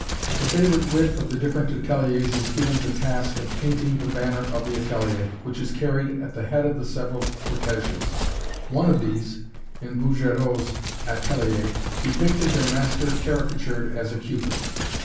The favorite wit of the different ateliers is given the task of painting the banner of the atelier, which is carried at the head of the several cortéges. One of these, in Bouguereau's atelier, depicted their master caricatured as a cupid.